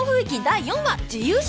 第４話「自由主義」。